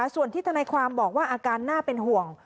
ส่วนที่ทนายความบอกว่าอาการน่าเป็นห่วง